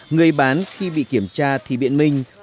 người bán khi bị kiểm soát được rượu người bán khi bị kiểm soát được rượu